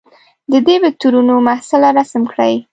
د دې وکتورونو محصله رسم کړئ.